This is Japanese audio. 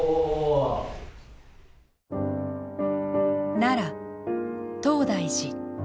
奈良東大寺。